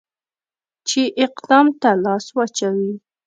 چې اقدام ته لاس واچوي.